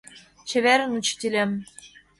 ЧЕВЕРЫН, УЧИТЕЛЕМ